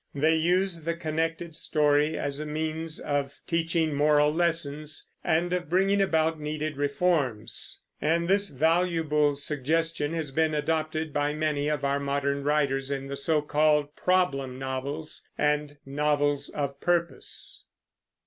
They use the connected story as a means of teaching moral lessons, and of bringing about needed reforms; and this valuable suggestion has been adopted by many of our modern writers in the so called problem novels and novels of purpose.